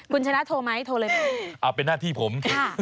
คุณชนะโทรไหมโทรเลยเอาเป็นหน้าที่ผม